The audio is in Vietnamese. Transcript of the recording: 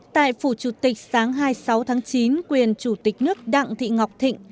tại phủ chủ tịch sáng hai mươi sáu tháng chín quyền chủ tịch nước đặng thị ngọc thịnh